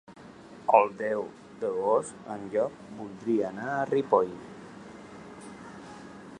El deu d'agost en Llop voldria anar a Ripoll.